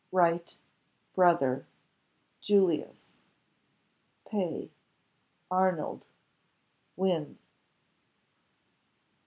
"Write brother Julius. Pay Arnold wins."